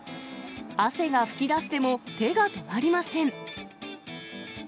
汗が噴き出しても手が止まりません。